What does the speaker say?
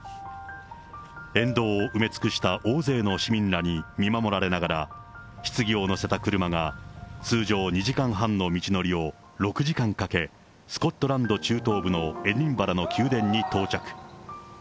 沿道を埋め尽くした大勢の市民らに見守られながら、ひつぎを載せた車が通常２時間半の道のりを６時間かけ、スコットランド中東部のエディンバラの宮殿に到着。